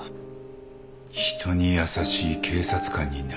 人に優しい警察官になりたい。